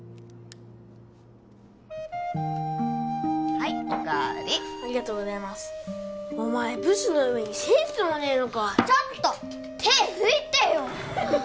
はいおかわりありがとうございますお前ブスの上にセンスもねえのかちょっと手拭いてよイテテテ何だよ